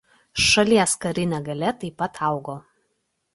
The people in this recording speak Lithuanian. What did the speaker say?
Šalies karinė galia taip pat augo.